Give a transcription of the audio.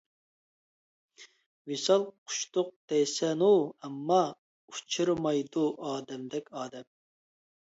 ۋىسال قۇچتۇق دەيسەنۇ ئەمما، ئۇچرىمايدۇ ئادەمدەك ئادەم.